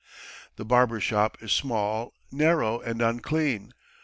The barber's shop is small, narrow, and unclean.